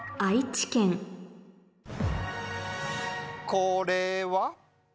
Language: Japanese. これは？